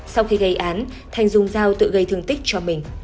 sau khi gây án thành dùng dao tự gây thương tích cho mình